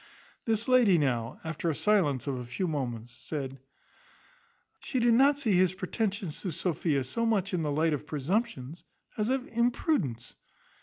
The lady now, after silence of a few moments, said, "She did not see his pretensions to Sophia so much in the light of presumption, as of imprudence.